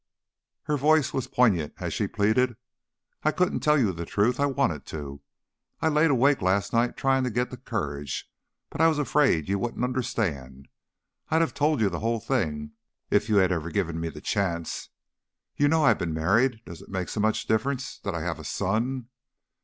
_" Her voice was poignant as she pleaded. "I couldn't tell you the truth. I wanted to I laid awake nights trying to get the courage, but I was afraid you wouldn't understand. I'd have told you the whole thing, if you'd ever given me the chance. You know I've been married; does it make so much difference that I have a son?"